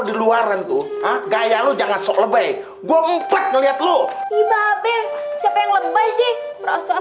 di luaran tuh gaya lu jangan sok lebay gua empet ngeliat lu ii babek siapa yang lebay sih perasaan